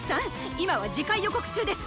今は次回予告中です。